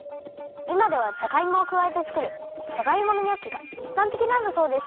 いまではジャガイモをくわえてつくるジャガイモのニョッキがいっぱんてきなんだそうです。